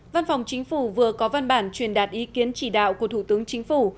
văn phòng chính phủ vừa có văn bản truyền đạt ý kiến chỉ đạo của thủ tướng chính phủ